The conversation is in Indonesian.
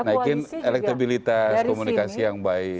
naikin elektabilitas komunikasi yang baik